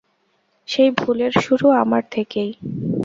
সেই ভুলের শুরু আমার থেকেই।